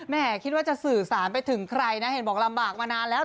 คิดว่าจะสื่อสารไปถึงใครนะเห็นบอกลำบากมานานแล้ว